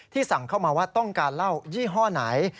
สั่งเข้ามาว่าต้องการเหล้ายี่ห้อไหน